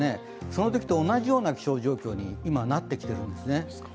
そのときと同じような気象状況に今なってきているんですね。